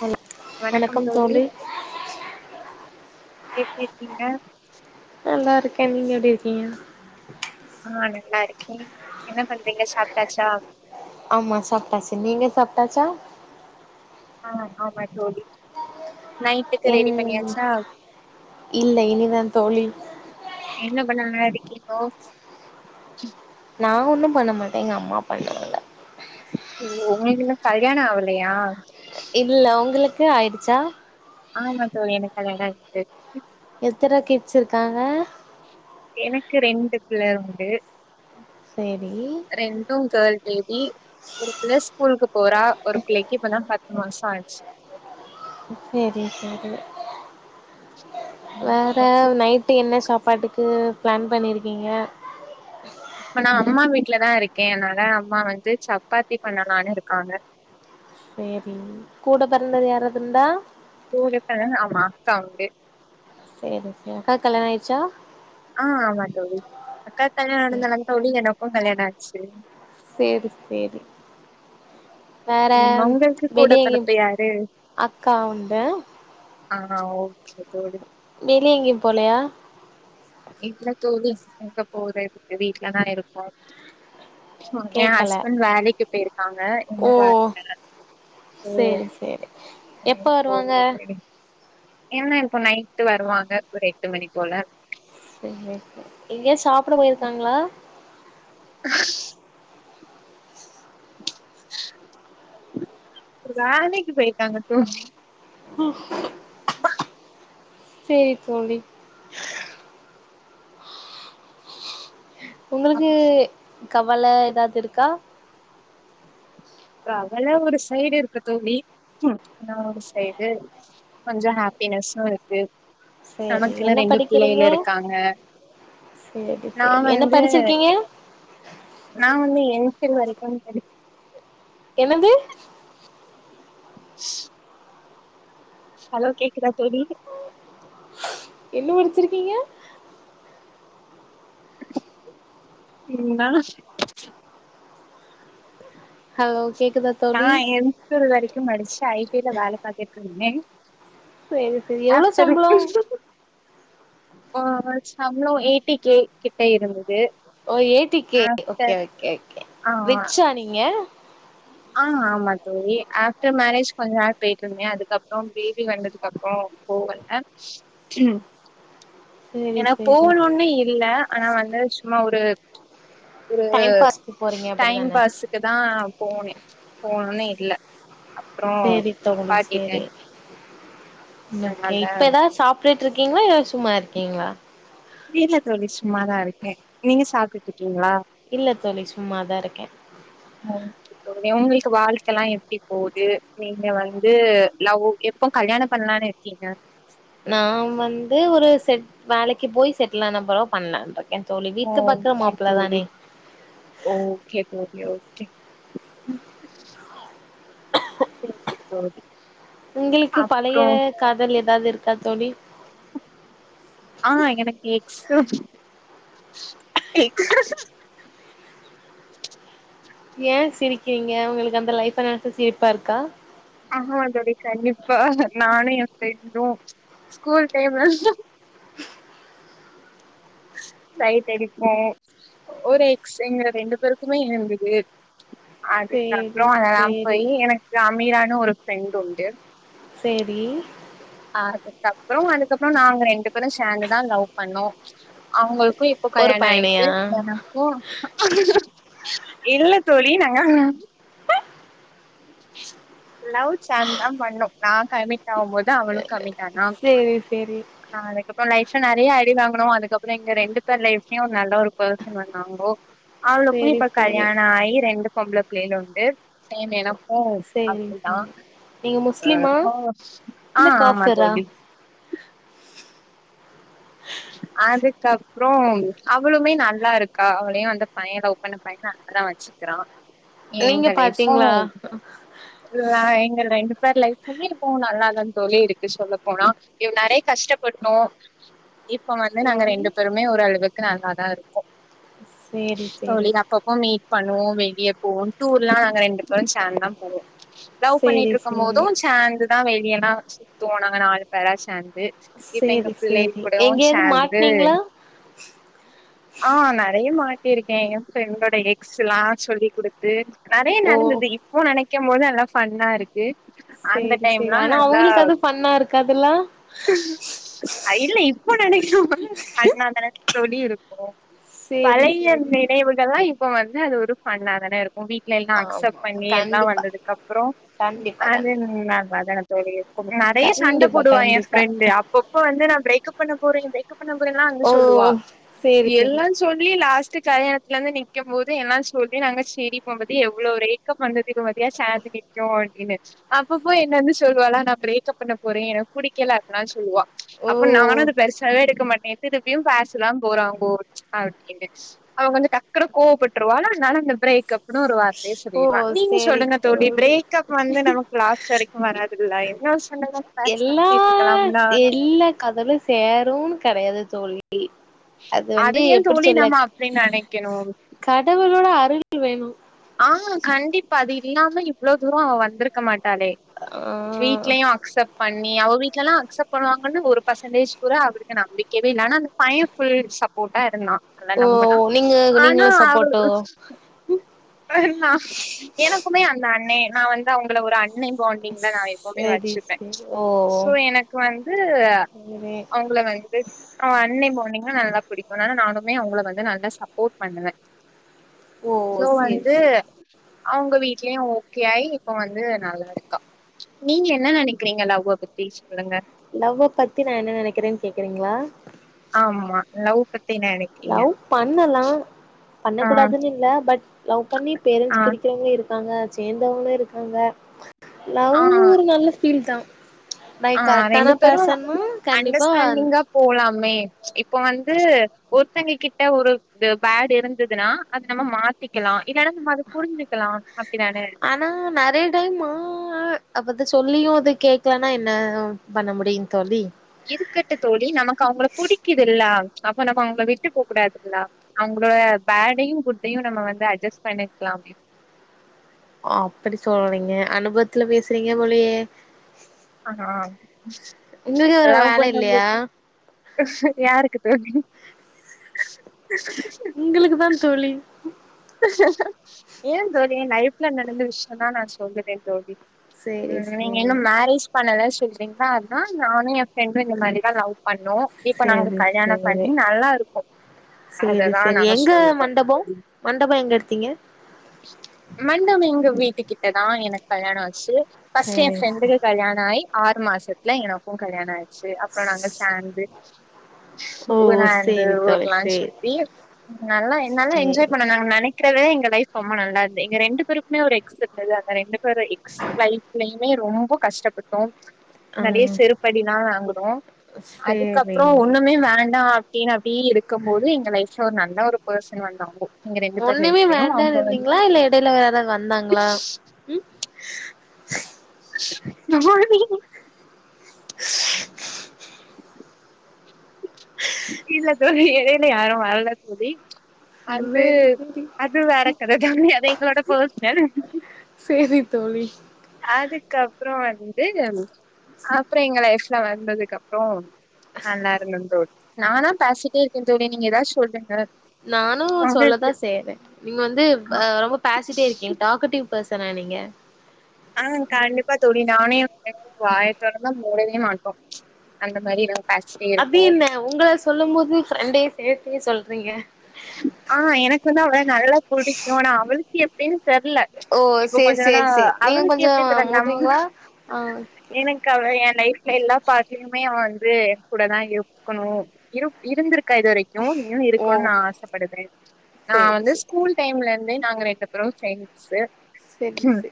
hello வணக்கம் தோழி எப்டிருக்கீங்க நல்லாருக்க நீங்க எப்டி இருக்கீங்க ஆ நல்லாருக்கே என்ன பண்றீங்க சாப்ட்டாச்சா ஆமா சாப்ட்டாச்சி நீங்க சாப்ட்டாச்சா ஆ ஆமா தோழி நைட்டுக்கு என் ரெடி பண்ணியாச்சா இல்ல இனிதா தோழி என்ன பண்ண நல்லா இருக்கீங்கோ நா ஒன்னு பண்ண மாட்ட எங்க அம்மா பண்ணல ஓ உங்களுக்கு இன்னு கல்யாணோ ஆவலையா இல்ல ஒங்களுக்கு ஆயிடுச்சா ஆமா தோழி எனக்கு கல்யாண ஆயிட்டு எத்தன கிட்ஸ் இருக்காங்க எனக்கு ரெண்டு பிள்ளைகள் உண்டு சேரி ரெண்டும் கேள் பேபி ஒரு பிள்ள ஸ்கூலுக்கு போறா ஒரு பிள்ளைக்கு இப்பதா பத் மாச ஆய்ட்ச்சி சேரி சேரி ம், வேற நைட் ட்டு என்ன சாப்பாட்டுக்கு பிளான் பண்ணிருக்கீங்க இப்ப நா அம்மா வீட்டலதா இருக்கே அதனால அம்மா வந்து சப்பாத்தி பண்ணலானு இருக்காங்க சேரி கூட பெறந்தது யாராவதுண்டா கூட பெறந்து ஆமா அக்கா உண்டு சேரி சேரி அக்காக் கல்யாண ஆய்ர்ச்சா ஆ ஆமா தோழி அக்காக் கல்யாண நடந்தாலா தோழி எனக்கு கல்யாணோ ஆச்சி சேரி சேரி வேற ம் உங்களுக்கு கூட வெளிய எங்கியு பிறப்பு யாரு அக்கா உண்டு ஆ ஓகே தோழி வெளிய எங்கியு போலயா இல்ல தோழி எங்க போற வீட்லதா இருக்கோ எ கேக்கல ஹஸ்பண்ட் வேலைக்கு போய்ருக்காங்க ஓ இன்னு வர்ல வேற ஓ சேரி சேரி எப்ப வருவாங்க போகல தோழி என்ன இப்போ நைட்டு் வருவாங்க ஒரு எட்டு மணி போல செரி ஓகே எங்கேயே சாப்ட போய்ருக்காங்ளா அவரு வேலைக்கு போய்ருக்காங்க தோழி ஹூ சேரி தோழி உங்களுக்கு கவல ஏதாவது இருக்கா அவள ஒரு சைடா இருக்கட்டு நீ நா ஒரு சைடு கொஞ்சம் ஹாப்பினஸும் இருக்கு சேரி என்ன நமக்குன்னு ரெண்டு பிள்ளைகள் இருக்காங்க சரி நா சரி என்ன படிச்சிருக்கீங்க நான் வந்து எம் ஃபில் வரைக்கும் படி என்னது ஸ் ஹலோ கேக்குதா தோழி என்ன படிச்சிருக்கீங்க என்னாஸ் ஹலோ ஸ் கேக்குதா தோழி நான் எம் ஃபில் வரைக்கும் மடிச்சு ஐ டி ல வேலை பாத்துட்டு இருத்தேன் சேரி சேரி அ எவ்ளோ சம்பளம் [unintelligible] ஆ [unintelligible] சம்பளம் எயிட்டி கே கிட்ட இருந்தது ஓ ஏய்ட்டி K okay after okay okay ஆ ரிச்சா நீங்க ஆ ஆமா தோழி ஆஃப்டர் மேரேஜ் கொஞ்ச நாள் போய்டு இருந்தேன் அதுக்கப்புறம் பேபி வந்ததுக்கு அப்புறம் போவல ம் சேரி ஏன்னா சேரி போகனுமன்னு இல்ல ஆனா வந்து சும்மா ஒரு ஒரு டைம் பாஸ்க்கு போறீங்க டைம் அப்டிதான பாஸு க்குதான் போனேன் போணுன்னு இல்ல அப்புறோ சேரி தோழி நிப்பாட்டிட்டே சேரி ஓகே அதனால இப்ப தான் சாப் டுட்டு இருக்கீங்ளா இல்ல சும்மா இருக்கீங்ளா வீட்ல தோழி சும்மாதான் இருக்கேன் நீங்க சாப்பிட்ருக்கீங்களா இல்ல தோழி சும்மா தான் இருக்கேன் ஓகே தோழி உங்களுக்கு வாழ்க்கல்லாம் எப்டி போகுது நீங்க வந்து லவ் எப்போ கல்யாண பண்ணலான்னு இருக்கீங்க நான் வந்து ஒரு செட் வேலைக்கு போய் செட்டில் ஆன பரவு பண்ணலா ன்னு ருக்கேன் தோழி வீட்டுல பாக்கற ஓகே மாப்பிள தோழி தானே ஓகே தோழி ஓகே [unintelligible] உங்களுக்கு பழைய அப்றோ காதல் ஏதாது இருக்கா தோழி ஆ எனக்கு எக்ஸ அப்டி எக்ஸ ஏன் சிரிக்கிறீங்க உங்களுக்கு அந்த லைஃப நெனச்சா சிரிப்பா இருக்கா ஆமா தோழி கண்டிப்பா நானும் என் ஃபிரண்டும் ஸ்கூல் டைம்ல சைட் அடிப்போம் ஒரு எக்ஸ் எங்க ரெண்டு பேருக்குமே இருந்தது சேரி அதுக்கப்புறம் அதெல்லாம் சேரி போயி் எனக்கு அமீரானு ஒரு ஃப்ரெண்ட் உண்டு சேரி அதுக்கப்புறம் அதுக்கப்புறம் நாங்க ரெண்டு பேரும் சேந்துதான் லவ் பண்ணோம் அவங்களுக்கும் இப்போ ஒரு கல்யாணம் ஆயிட்டு பையனையா எனக்கும் இல்ல தோழி நாங்க லவ் சேந்தான் பண்ணோம் நான் கமிட் ஆகும்போது அவளும் கமிட ஆனா சேரி சேரி ஆ அதுக்கப்புறம் லைப்ல நறைய அடி வாங்குனோம் அதுக்கப்புறம் எங்க ரெண்டு பேர் லைஃப்லயும் ஒரு நல்ல ஒரு பெர்சன் வந்தாங்கோ அவளுக்கும் சேரி இப்ப சேரி கல்யாணம் ஆகி ரெண்டு பொம்பளை பிள்ளைகள் உண்டு சேம் எனக்கு ஓ சேரிங் ஆப்டியா சேரி நீங்க முஸ்லிமா ஓ சரி ஆ இல்ல ஆமா காஃபிரா தோழி அதுக்கப்புறம் அவளுவுமே நல்லா இருக்கா அவளையும் வந்து பையன் லவ் பன்ன பையன் நல்லாதான் வச்சு க்கறா நீங்க ஏங்க லைஃப் பாத்தீங்களா ஸ்மூ இல்ல எங்க ரெண்டு பேர் லைஃப்மே இப்பவும் நல்லாதான் தோழி இருக்கு சொல்ல போனா எல்லாரயும் கஷ்டப்படுத்தும் [unintelligible] இப்போ நாங்க சேரி ரெண்டு பேருமே ஒரு அளவுக்கு நல்லா தான் இருக்கோம் சேரி சேரி அப்பப்போ மீட் பண்ணுவோம் வெளியே போவோம் டூர் எல்லாம் நாங்க ரெண்டு பேரும் சேந்தா போவோம் லவ் சேரி பண்ணிட்டு இருக்கும் சேரி போதும் சேந்துதான் வெளியல்லாம் சுத்துவோம் நாங்க நாலு பேரா சேந்து இப்ப எங்க சேரி பிள்ளைக சேரி கூடயு எங்கயாவ்து சேந்து மாட்னீங்ளா ஆ நெறைய மாட்டியிருக்கேன் என் ஃப்ரெண்டோட எக்ஸ் எல்லாம் சொல்லி் கொடுத்து நெறைய ஓ நடந்தது இப்போ நனைக்கும் போது அது எல்லா ஃபன்னா இருக்கு அந்த சேரி சேரி டைம்லாம் ஆனா நல்லா அவங்களுக்கு அது ஃபன்னா இருக்காதுல்ல அ இல்ல இப்போ நனைக்கும் போது அது ஃபன்னா தான தோழி இருக் கூ சேரி பழைய சேரி நினைவுகள்ல்லாம் இப்ப வந்து அது ஒரு ஃபன்னா தான இருக் கூ வீட்ல எல்லாம் அக்செப்ட் ஆமா பண்ணி எல்லாம் கண்டிப்பா வந்ததுக்கு அப்புறொ கண்டிப்பா அது கண்டிப்பா நா வ வதன தோழி இருக்கும் நறைய சண்ட கண்டிப்பா போடுவா என் கண்டிப்பா ஃப்ரெண்டு அப் ப்ப அப்போ வந்து நா பிரேக்கப் பண்ண போறேன் பிரேக்கப் பண்ண போறேன் எல்லாம் வந்து ஓ சொல்லுவா சேரி சேரி எல்லா சொல்லி லாஸ்ட் கல்யாணத்துல வந்து நிக்கு போது என்லா சொல்லி நாங்க சிரிப்போ பாத்தியா எவ்வளோ ரேக்கப் வந்த இப்பம் பாத்தியா சேந்து நிக்கோ அப்டின்னு அப்பப்போ என்ன வந்து சொல்லுவாலா நா பிரேக்கப் பண்ண போறேன் எனக்கு புடிக்கல அப்ட்லா சொல்லுவா ஓ அப்போ நானும் அது பெருசாவே எடுக்க மாட்டேன் இதுக் அப்பயும் பேசதா போறாங்கோ அப்டின்ட்டு அவ வந்து டக்குனு கோவப்பட்டுருவா அதனால அந்த பிரேக் அப்ன்னு ஒரு வார்த்தையே ஓ சொல்லிர்வா நீங்க சேரி சொல்லுங்க தோழி பிரேக் அப் வந்து நமக்கு லாஸ்ட் வரைக்கும் வராதுல்ல என்ன சொல்லுங்க எல்லா எல்லாக் காதலும் சேரும்ன்னு கடையாது தோழி அது அத வந்து ஏன் எப்டி தோழி சொல்ல நம்ம அப்டின்னு நனைக்கணும் கடவுளோட அருள் வேணும் ஆ கண்டிப்பா அது இல்லாம இவ்ளோ தூரம் அவ வந்திருக் க மாட்டேளே ஆ வீட்லயும் அக்சப்ட் பண் ணி அவ வீட்ல எல்லா அக்சப்ட் பண்ணுவாங்கன்னு ஒரு பர்சன்டஜ் கூட அவருக்கு நம்பிக்கவே இல்ல ஆனா அந்த பையன் ஃபுல் சப் போட்டா இருந்தான் அத ஓ நம்புனா நீங்க ஆனா நீங்களு அவளு சப்போட்டோ அண்ணா எனக்குமே அந்த அண்ணே நா வந்து அவுங்கள ஒரு அண்ணே பாண் டிங்ல நா எப்பவுமே சரி வச்சிப்பேன் சரி ஓ சோ எனக்கு வந்து சரி அவுங்கள வந்து அவன் அண்ணே பாண்டிங்க நல்லா புடிக்கும் அதனால நானுமே அவுங்கள வந்து நல்லா சப்போர்ட் பண்ணுவேன் ஓ சோ சரி வந்து சரி அவுங்க வீட்லயும் ஓகே ஆயி இப்போ வந்து நல்லா இருக்கா நீங்க என்ன நனைக்கிறீங்க லவ்வ பத்தி சொல்லுங்க லவ்வ பத்தி நா என்ன நனைக்கிறேன் கேக்குறீங்களா ஆமா லவ் பத்தி நனைக் லவ் பண்ணலாம் பண்ண ஆ கூடாதுன்னு இல்ல பட் லவ் பண்ணி ஆ பேரண்ட்ஸ் பிரிக்கிறவங்க இருக் காங்க சேந்தவங்களும் இருக்காங்க ல ஆ நல்ல ஃபீல் தான் ஆ லைக் ரெண்டு கரெக்டானா பேரும் பர்சனா கண்டிப்பா அண்டர்ஸ்டாண்டிங்கா போலாமே இப்போ வந்து ஒருத்தங்க கிட்ட ஒரு இது பேட் இருந்ததுன்னா அது நம்ம மாத் திக்கலாம் இல்லனா இந்த புரிஞ்சுக்கலாம் அப்டிதான நா நறைய டைம் மா அ அப் அத சொல்லியு இது கேக்கலனா என்ன பண்ண முடியும் தோழி இருக்கட்டு தோழி நமக்கு அவங்கள புடிக்குதுல்ல அப்ப நம்ம அவங்கள விட்டு போ கூடாதுல்ல அவங்களோட பேடையு குட்டையு நம்ம வந்து அட்ஜஸ்ட் பண்ணிக்கலாமே ஓ அப்டி சொல்றீங்க அனுபவத்துல பேசுறீங்க போலயே ஆனா உங்களுக்கு வேற லவ் வேல பன்னம் இல்லையா போது யாருக்கு தோழி உங்களுக்கு தா தோழி ஏன் தோழி லைஃப்ல நடந்த விஷயம் தா நா சொல்லுவே தோழி சேரி ம் நீங்க சேரி இன்னும் மேரேஜ் பண்ணல சொல்றீங்களா அதனா நானு எ ஃப்ரெண்டும் இந்த மாரிதா லவ் பண்ணோ இப்ப நாங்க சேரி கல்யாணம் சேரி பண்ணி நல்லா இருக்கோ அததா நாங்க சொல்ற மண்டபம் எங்க எடுத்தீங்க மண்டபம் எங்க வீட்டு கிட்ட தா எனக்கு கல்யாண ஆச்சு பர்ஸ்ட் என் சேரி ஃப்ரெண்டு சேரி கல்யாண ஆயி ஆறு மாசத்துல எனக்கு கல்யாண ஆயிடுச்சு அப்பறம் நாங்க சார்ந்து ஓ ஊராந்து சேரி தோழி ஊரலா சேரி சுத்தி நல்லா என்னால என்ஜாய் சேரி பண் நெனைக்கிறதே எங்க லைஃப் ரொம்ப நல்லா இருது எங்க ரெண்டு பேருக்குமே ஒரு எக்ஸ் இருந்தது அந்த ரெண்டு பேரு எக்ஸ் லைஃப்லயுமே ரொம்ப கஷ்டப்பட்டோ ஆ நெறய செருப்படில்லா வாங்குனோ அதுக்கப்றோ சேரி ஒண்ணுமே வேண்டா [unintelligible] அப்டி இருக்கம்போது எங்க லைஃப்ல ஒரு நல்ல ஒரு பெர்சன் வந்தாங்கோ எங்க ரெண்டு பேரு ஒண்ணுமே லைஃப்லயும் அவங்க வேண்டான்னு வந்து இருந்தீங்களா இல்ல இடையில வேற யாராவது வந்தாங்களா ம் [unintelligible] இல்ல தோழி எடையில யாரு வரல தோழி அது சேரி சேரி அது வேற கத தோழி அது எங்களோட பேர்ஸ்னல் சேரி தோழி அதுக்கப்றோ வந்து அப்புறோ எங்க லைஃப்ல வந்ததுக்கு அப்பறோ நல்லா இருந்த தோ நான பசிட்டே இருக்கே தோழி நீங்க ஏதாது சொல்லுங்க நானு சொல்ல தா உங்களுக்கு செய்றே நீங்க வந்து ஆ ரொம்ப பாசிட்டே இருக்கீங்க டக்கட்டிவ் பர்சனா நீங்க ஆ கண்டிப்பா தோழி நானு பிரெண்டு வாய தொறந்து மூடவே மாட்டோ அந்த மாரி நா அப்டி என்ன உங்கள சொல்லு போது ஃப்ரெண்டையும் சேர்த்தே சொல்றீங்க ஆ எனக்கு வந்து அவ்வள நல்லா புடிக்கும் ஆனா அவளுக்கு எப்டின்னு தெர்ல ஓ இப்போ சேரி கொஞ்ச நாளா சேரி சேரி நீங்க அவளுக்கு கொஞ்சோ எப்டி தெர்ல நம் மூட்றீங்களா ஆ எனக்கு அவள என் லைஃப்ல எல்லா பார்டலயுமே அவ வந்து என கூட தா இருக்கணு இரு இருந்திருக்க இது வரைக்கு இன்னு ஓ இருக்கும்னு நா ஆசப்படுதே நா சேரி வந்து சேரி ஸ்கூல் டைம்ல இருந்தே நாங்க ரெண்டு பேரும் பிரண்ட்ஸ்சு செரி செ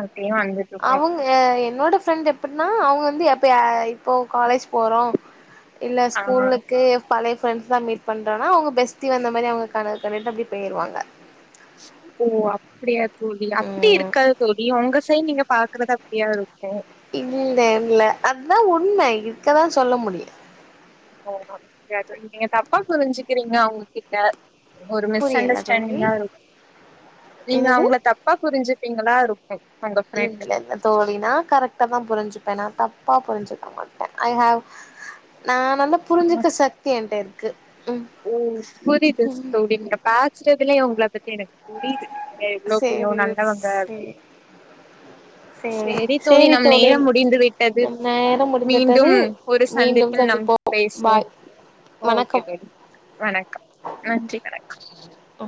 அப்டியே வந்து அவங்க அ என்னோட ஃப்ரெண்ட் அப்டின்னா அவங்க வந்து எப்பயா இப்போது காலேஜ் போறோ இல்ல ஆ ஸ்கூலுக்கு பழைய ஃப்ரண்ட்ஸ் தா மீட் பண்றனா அவங்க பெஸ்டி வந்த மாரி அவங்க கனவு கண்டுட்டு அப்டி போயிருவாங்க ஓ அப்டியா தோழி அப்டி ம் இருக்காது தோழி உங்க சைட் நீங்க பா க்குறது அப்டிய இருக்கு இல்ல இல்ல அதா உண்ம இருக்க தா சொல்ல முடியு ஓ அப்டியா நீங்க தப்பா புரிஞ்சுக்கிறீங்க அவுங்ககிட்ட ஒரு மிஸ் புரியல தோழி அண்டர்ஸ்டாண்டிங்கா இருக்கு நீங்க என்னது அவுங்கள தப்பா புரிஞ்சு ருப்பீங்ளா இருக்கு உங்க ஃப்ரெண்ட் இல்லல்ல தோழி நா கரெ க்ட்டாதான் புரிஞ்சுப்பன் நா தப்பா புரிஞ்சுக்க மாட்டன் ஐ கெவ் நா வந்து புரிஞ்சுக்க சக்தி என்ட்ட இருக்கு ம் புரிது தோழி நீங்க பேசறதுலயே உங்ள பத்தி எனக்கு புரிது நீங்க எவ்ளோ பெரிய சேரி நல்லவங்க அப்டினு சேரி [inaudible] செரி தோழி நம் நேரம் முடிந்து விட்டது நம் நேரம் முடிந்துவிட்டது மீண்டும் ஒரு மீண்டும் சந்திப்பில் நம் சந்திப்போம் பேசுவோம் பாய் ஓகே பை வணக்கம் வணக்கம் நன்றி வணக்கம் ஒ